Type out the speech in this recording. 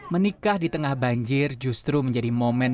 menikah di tengah banjir justru menjadi momen